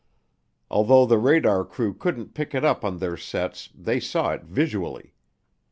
Although the radar crew couldn't pick it up on their sets they saw it visually.